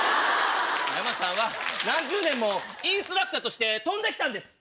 ヤマさんは何十年もインストラクターとして飛んで来たんです。